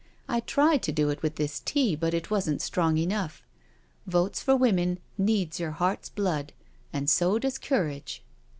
I tried to do it with this tea, but it wasn't strong enough. * Votes for Women ' needs your heart's blood, and so does courage."